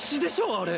あれ。